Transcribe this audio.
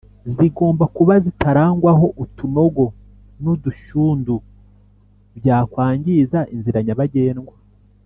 zigomba kuba zitarangwaho utunogo n’udushyundu byakwangiza inzira nyabagendwa